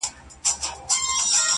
شعر اوس دومره کوچنی سوی دی ملگرو_